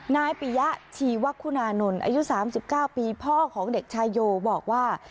นายปิยะชีวคุณานนท์อายุ๓๙ปีพ่อของเด็กชายโยบอกว่า